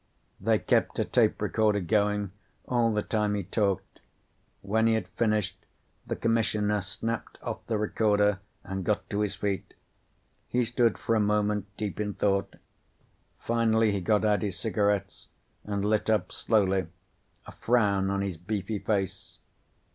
They kept a tape recorder going all the time he talked. When he had finished the Commissioner snapped off the recorder and got to his feet. He stood for a moment, deep in thought. Finally he got out his cigarettes and lit up slowly, a frown on his beefy face.